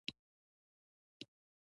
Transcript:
لومړى شى چي له منځه به ځي ملخان دي